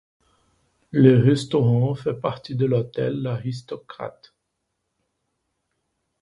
Le restaurant fait partie de l'hôtel L'Aristocrate.